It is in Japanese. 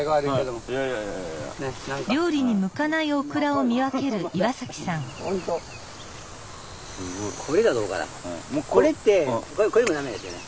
もうこれってこういうのダメですよね。